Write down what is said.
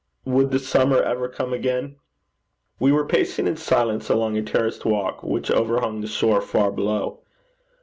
Would the summer ever come again? We were pacing in silence along a terraced walk which overhung the shore far below.